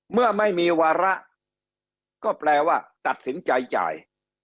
เมื่อไม่มีวาระก็แปลว่าตัดสินใจจ่าย